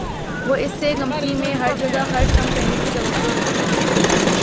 وہ اس سے کمپنی میں ہر جگہ خرچ کم کرنے کی توقع کرتے ہیں